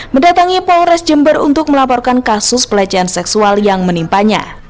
mendatangi polres jember untuk melaporkan kasus pelecehan seksual yang menimpanya